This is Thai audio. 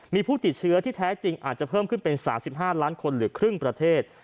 มีผู้ติดเชื้อที่แท้จริงอาจจะเพิ่มขึ้นเป็น๓๕ล้านคนหรือครึ่งประเทศ